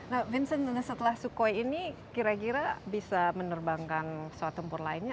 nah vincent setelah sukhoi ini kira kira bisa menerbangkan pesawat tempur lainnya